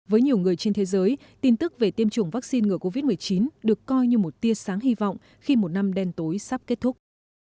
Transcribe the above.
với nhiều người trên thế giới tin tức về tiêm chủng vaccine ngừa covid một mươi chín được coi như một tia sáng hy vọng khi một năm đen tối sắp kết thúc